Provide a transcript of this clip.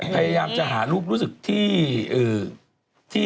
พยายามจะหารูปรู้สึกที่